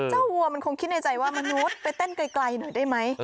วัวมันคงคิดในใจว่ามนุษย์ไปเต้นไกลหน่อยได้ไหม